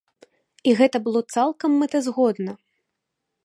І гэта было цалкам мэтазгодна.